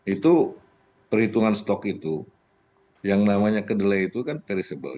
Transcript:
itu perhitungan stok itu yang namanya kedelai itu kan perishable